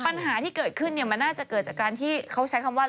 ปัญหาที่เกิดขึ้นมันน่าจะเกิดจากการที่เขาใช้คำว่า